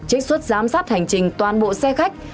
trích xuất giám sát hành trình toàn bộ xe khách